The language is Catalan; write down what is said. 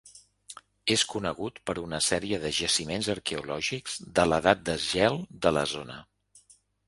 És conegut per una sèrie de jaciments arqueològics de l'Edat de Gel de la zona.